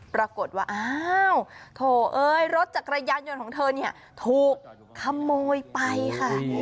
ปรากฏว่าโถ่เอ้ยรถจากรายยานยนต์ของเธอถูกขโมยไปค่ะ